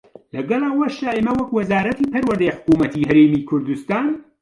لەگەڵ ئەوەشدا ئێمە وەک وەزارەتی پەروەردەی حکوومەتی هەرێمی کوردستان